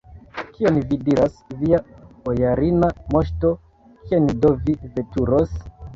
Kion vi diras, via bojarina moŝto, kien do vi veturos?